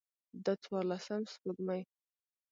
د څوارلسم سپوږمۍ